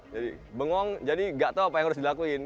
jadi bengong jadi gak tau apa yang harus dilakuin